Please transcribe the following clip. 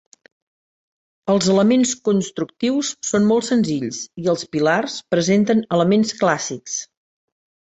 Els elements constructius són molt senzills i els pilars presenten elements clàssics.